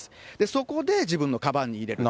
そこで、自分のかばんに入れる。